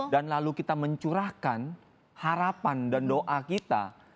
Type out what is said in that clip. dan lalu kita mencurahkan harapan dan doa kita